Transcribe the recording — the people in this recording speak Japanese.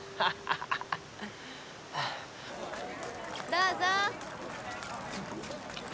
どうぞ！